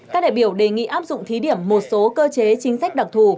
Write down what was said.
các đại biểu đề nghị áp dụng thí điểm một số cơ chế chính sách đặc thù